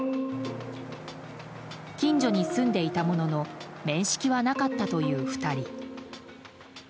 近所に住んでいたものの面識はなかったという２人。